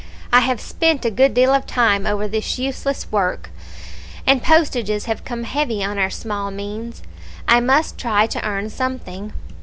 I have spent a good deal of time over this useless work, and postages have come heavy on our small means. I must try to earn something."